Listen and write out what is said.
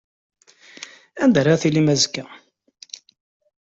Anda ara tilim azekka?